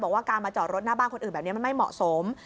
บอกว่าการมาจอดถ้าน่าบ้านคนอื่นแบบนี้ไม่เหมาะสม